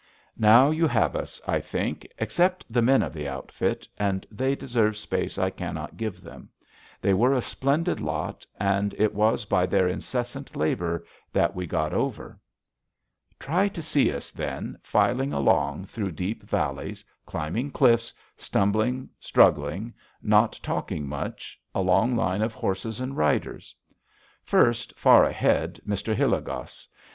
Now you have us, I think, except the men of the outfit, and they deserve space I cannot give them. They were a splendid lot, and it was by their incessant labor that we got over. Try to see us, then, filing along through deep valleys, climbing cliffs, stumbling, struggling, not talking much, a long line of horses and riders. First, far ahead, Mr. Hilligoss.